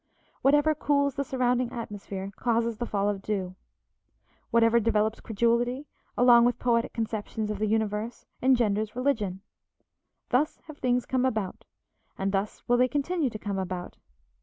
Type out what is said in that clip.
Whatever cools the surrounding atmosphere causes the fall of dew. Whatever develops credulity, along with poetic conceptions of the universe, engenders religion. Thus have things come about, and thus will they continue to come about.